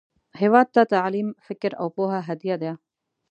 هیواد ته تعلیم، فکر، او پوهه هدیه ده